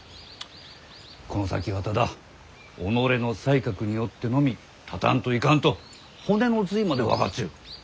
この先はただ己の才覚によってのみ立たんといかんと骨の髄まで分かっちゅう。